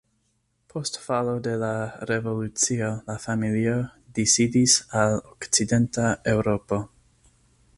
Post falo de la revolucio la familio disidis al okcidenta Eŭropo.